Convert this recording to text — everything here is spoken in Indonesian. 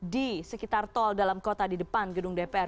di sekitar tol dalam kota di depan gedung dpr